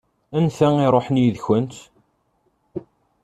Anta i iṛuḥen yid-kent?